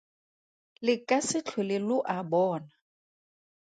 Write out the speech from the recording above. Le ka se tlhole lo a bona.